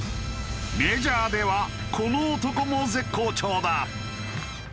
メジャーではこの男も絶好調だ。